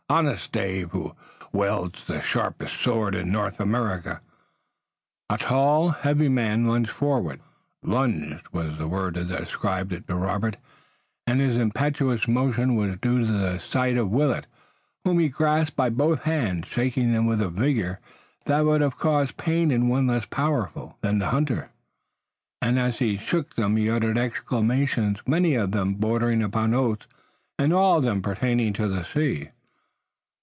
Honest Dave, who wields the sharpest sword in North America!" A tall, heavy man lunged forward. "Lunged" was the word that described it to Robert, and his impetuous motion was due to the sight of Willet, whom he grasped by both hands, shaking them with a vigor that would have caused pain in one less powerful than the hunter, and as he shook them he uttered exclamations, many of them bordering upon oaths and all of them pertaining to the sea.